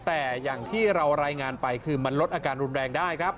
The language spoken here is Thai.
แต่อย่างที่เรารายงานไปคือมันลดอาการรุนแรงได้ครับ